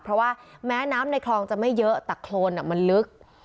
เพราะว่าแม้น้ำในคลองจะไม่เยอะแต่โครนมันลึก